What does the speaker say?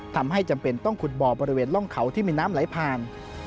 จำเป็นต้องขุดบ่อบริเวณร่องเขาที่มีน้ำไหลผ่าน